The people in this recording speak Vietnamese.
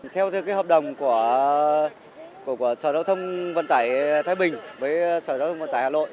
theo hợp đồng của sở giao thông vận tải thái bình với sở giáo thông vận tải hà nội